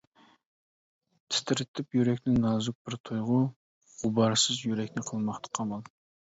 تىترىتىپ يۈرەكنى نازۇك بىر تۇيغۇ، غۇبارسىز يۈرەكنى قىلماقتا قامال.